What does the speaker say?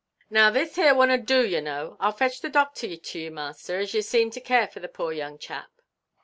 "Now this here wunna do, ye know. Iʼll fetch the doctor to ye, master, as ye seem to care for the pore young charp."